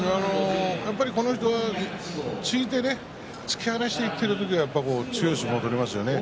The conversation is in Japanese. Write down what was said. やっぱり、この人は突いて突き放していっている時は強い相撲を取りますよね。